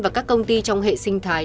và các công ty trong hệ sinh thái